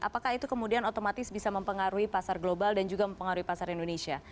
apakah itu kemudian otomatis bisa mempengaruhi pasar global dan juga mempengaruhi pasar indonesia